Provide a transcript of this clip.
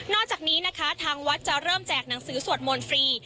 จากนี้นะคะทางวัดจะเริ่มแจกหนังสือสวดมนต์ฟรี